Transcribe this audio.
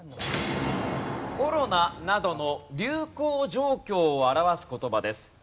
コロナなどの流行状況を表す言葉です。